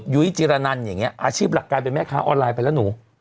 ยุ้ยจิรนันอย่างนี้อาชีพหลักการเป็นแม่ค้าออนไลน์ไปแล้วหนู